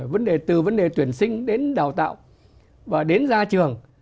và từ vấn đề tuyển sinh đến đào tạo và đến ra trường